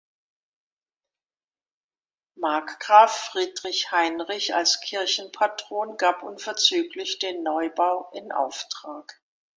Markgraf Friedrich Heinrich als Kirchenpatron gab unverzüglich den Neubau in Auftrag.